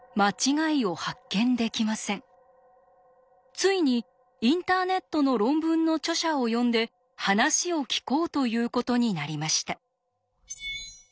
ついにインターネットの論文の著者を呼んで話を聞こうということになりました。